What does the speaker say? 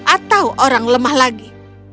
atau orang lemah lagi